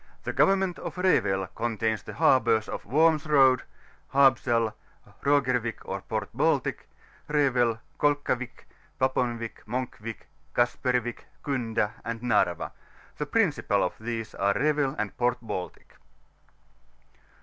The Government of Revel contains the harbours of Worms Road, Habsal, Roger wick or Port Baltic, Revel, Kolkawick, Paponwick, Monkwick, Kasperwick, Kunda, and Narva; the principal of these are Revel and Port Baltic.